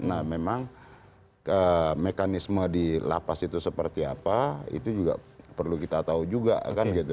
nah memang mekanisme di lapas itu seperti apa itu juga perlu kita tahu juga kan gitu